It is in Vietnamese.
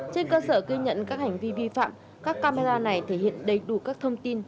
trên cơ sở ghi nhận các hành vi vi phạm các camera này thể hiện đầy đủ các thông tin